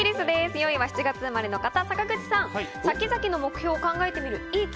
４位は７月生まれの方、坂口さん。